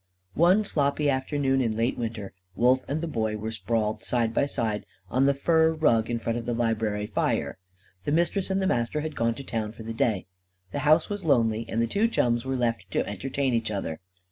One sloppy afternoon in late winter, Wolf and the Boy were sprawled, side by side, on the fur rug in front of the library fire. The Mistress and the Master had gone to town for the day. The house was lonely, and the two chums were left to entertain each other.